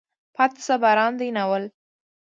پاتې شه باران دی. ناول